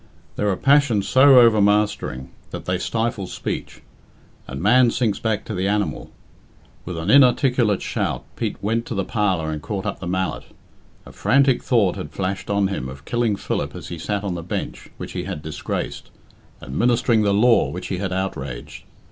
There are passions so overmastering that they stifle speech, and man sinks back to the animal. With an inarticulate shout Pete went to the parlour and caught up the mallet. A frantic thought had flashed on him of killing Philip as he sat on the bench which he had disgraced, administering the law which he had outraged.